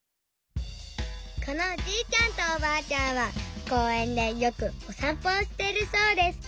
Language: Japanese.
このおじいちゃんとおばあちゃんはこうえんでよくおさんぽをしているそうです。